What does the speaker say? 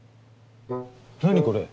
何これ。